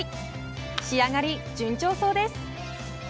仕上がり順調そうです。